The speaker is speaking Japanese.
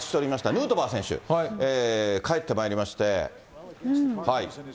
ヌートバー選手、帰ってまいりまして。